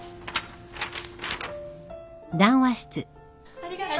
ありがとう。